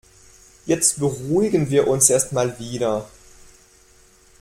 Jetzt beruhigen wir uns erst mal wieder.